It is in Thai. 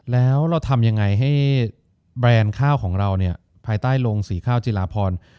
แล้วเราทำยังไงให้แบรนด์ข้าวของเราเนี่ยภายใต้โรงสีข้าวจีลาพร